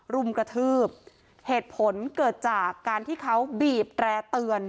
รุมกระทืบเหตุผลเกิดจากการที่เขาบีบแตร่เตือน